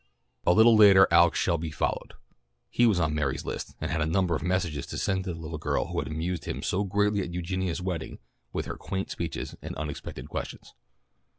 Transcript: A little later Alex Shelby followed. He was on Mary's list, and had a number of messages to send to the little girl who had amused him so greatly at Eugenia's wedding with her quaint speeches and unexpected questions.